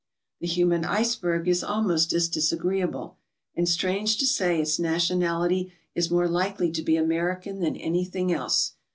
The human iceberg is almost as disagreeable, and strange to say its nationality is more likely to be American than anything else.